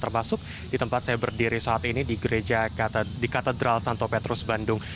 termasuk di tempat saya berdiri saat ini di katedral santo petrus bandung